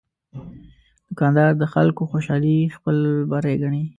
دوکاندار د خلکو خوشالي خپل بری ګڼي.